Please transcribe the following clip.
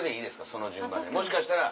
その順番でもしかしたら。